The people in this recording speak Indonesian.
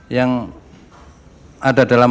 yang ada dalam